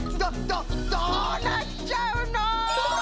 どどどうなっちゃうの！？